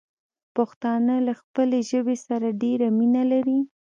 پښتانه له خپلې ژبې سره ډېره مينه لري.